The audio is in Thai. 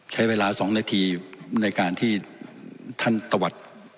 ใช้เวลา๒นาทีในการที่ท่านตะวัด